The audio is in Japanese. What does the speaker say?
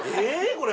これ。